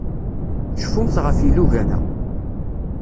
Cfumt ɣef yilugan-a.